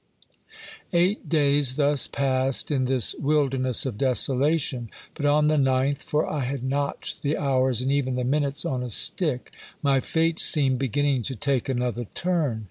Eight days thus passed in this wilderness of desolation ; but on the ninth, for I had notched the hours and even the minutes on a stick, my fate seemed be ginning to take another turn.